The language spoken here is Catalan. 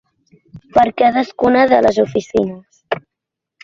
Per cadascuna de les oficines.